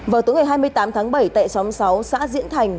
vào tối ngày hai mươi tám tháng bảy tại xóm sáu xã diễn thành